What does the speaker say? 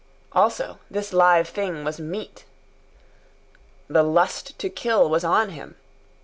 Also, this live thing was meat. The lust to kill was on him.